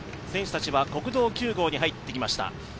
選手たちは国道９号に入ってきました。